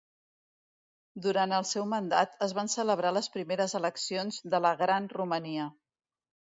Durant el seu mandat, es van celebrar les primeres eleccions de la Gran Romania.